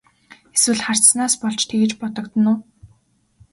Эсвэл хардсанаас болж тэгж бодогдоно уу?